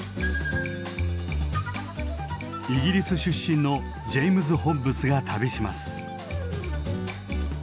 イギリス出身のジェイムズ・ホッブスが旅します。